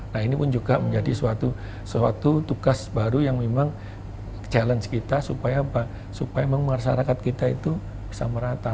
nah ini pun juga menjadi suatu tugas baru yang memang challenge kita supaya memang masyarakat kita itu bisa merata